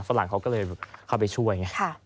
ฝรั่งเขาก็เลยเข้าไปช่วยไง